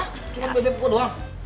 cuman bebep gue doang